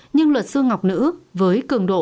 nhưng luật sư ngọc nữ với cường độ